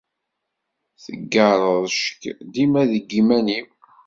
Teggareḍ ccekk dima deg iman-iw.